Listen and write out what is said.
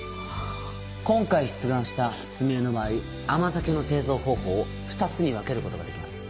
今回出願した発明の場合甘酒の製造方法を２つに分けることができます